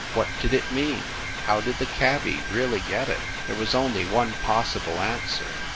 What did it mean? How did the cabby really get it? There was only one possible answer.